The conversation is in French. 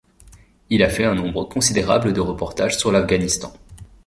Il a fait un nombre considérable de reportages sur l'Afghanistan.